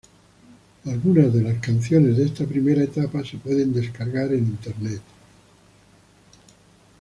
Algunas de las canciones de esta primera etapa se pueden descargar en internet.